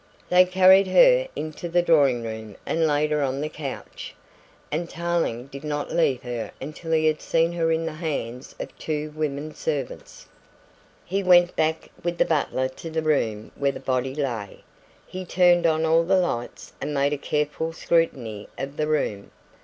They carried her into the drawing room and laid her on the couch, and Tarling did not leave her until he had seen her in the hands of two women servants. He went back with the butler to the room where the body lay. He turned on all the lights and made a careful scrutiny of the room.